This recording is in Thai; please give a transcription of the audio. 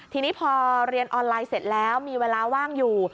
ทีนี้พอเรียนออนไลน์เสร็จแล้วมีเวลาว่างอยู่